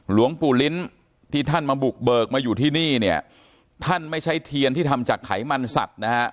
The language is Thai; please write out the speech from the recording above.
หลวงปู่ลิ้นที่ท่านมาบุกเบิกมาอยู่ที่นี่เนี่ยท่านไม่ใช้เทียนที่ทำจากไขมันสัตว์นะฮะ